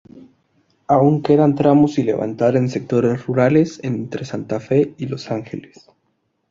Aun quedan tramos sin levantar en sectores rurales entre Santa Fe y Los Ángeles.